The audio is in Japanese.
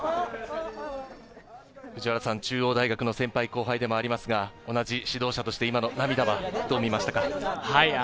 中央大学の先輩・後輩でもありますが、同じ指導者として今の涙はどう見ましたか？